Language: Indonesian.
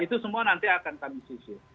itu semua nanti akan kami sisir